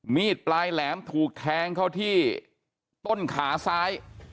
มีดปลายแหลมถูกแทงเข้าที่ต้นขาซ้าย